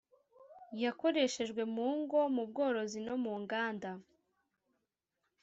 Yakoreshejwe mu ngo mu bworozi no mu nganda